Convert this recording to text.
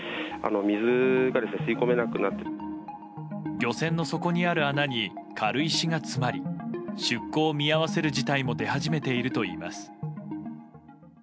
漁船の底にある穴に軽石が詰まり出港を見合わせる事態も出始めているといいます。